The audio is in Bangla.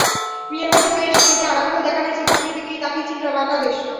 মিয়ানমার ঢাকায় এসে খেলতে অনাগ্রহ দেখানোয় সিঙ্গাপুরের দিকেই তাকিয়ে ছিল বাংলাদেশ।